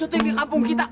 lo juga dengar kita